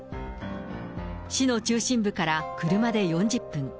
市の中心部から車で４０分。